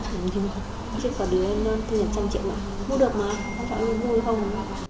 chứ có đứa thu nhập một trăm linh triệu mà mua được mà không phải mua được không